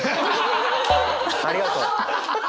ありがとう。